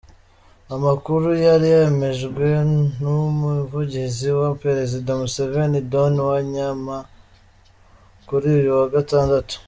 Amakuru yari yemejwe n’ umuvugizi wa Perezida Museveni, Don Wanyama kuri uyu wa Gatandatu.